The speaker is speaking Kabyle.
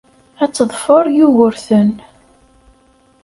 Ad teḍfer Yugurten.